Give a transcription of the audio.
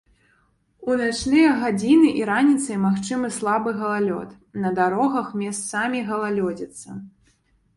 У начныя гадзіны і раніцай магчымы слабы галалёд, на дарогах месцамі галалёдзіца.